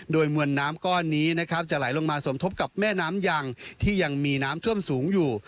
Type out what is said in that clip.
โดยมวลน้ำก้อนนี้นะครับจะไหลลงมาสมทบกับแม่น้ำยังที่ยังมีน้ำท่วมสูงอยู่